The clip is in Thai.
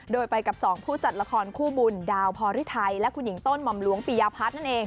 โดยไปกับสองผู้จัดละครคู่บุญดาวพอริไทยและคุณหญิงต้นหม่อมหลวงปียพัฒน์นั่นเอง